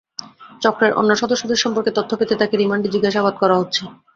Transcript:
চক্রের অন্য সদস্যদের সম্পর্কে তথ্য পেতে তাঁকে রিমান্ডে জিজ্ঞাসাবাদ করা হচ্ছে।